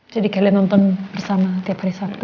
jadi kalian nonton bersama tiap hari sabtu